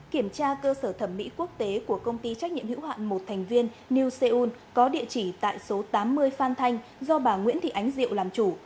kiểm tra cơ sở thẩm mỹ quốc tế của công ty trách nhiệm hữu hạn một thành viên new seun có địa chỉ tại số tám mươi phan thanh do bà nguyễn thị ánh diệu làm chủ